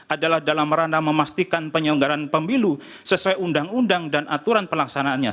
adalah dalam ranah memastikan penyelenggaran pemilu sesuai undang undang dan aturan pelaksanaannya